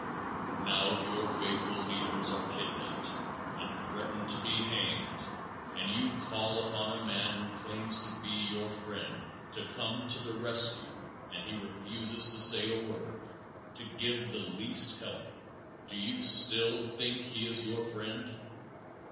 Now if your faithful leaders are kidnaped and threatened to be hanged, and you call upon a man who claims to be your friend, to come to the rescue and he refuses to say a word, to give the least help, do you still think he is your friend?